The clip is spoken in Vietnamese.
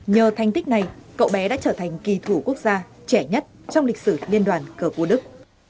nhờ thành tích này cậu bé đã trở thành kỳ thủ quốc gia trẻ nhất trong lịch sử liên đoàn cờ vua đức